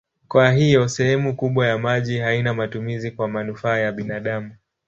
Kwa hiyo sehemu kubwa ya maji haina matumizi kwa manufaa ya binadamu.